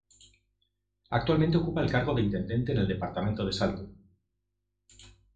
Actualmente ocupa el cargo de Intendente del Departamento de Salto.